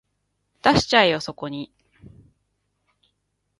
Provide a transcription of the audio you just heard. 出しちゃえよそこに